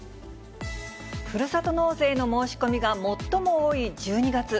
ふるさと納税の申し込みが最も多い１２月。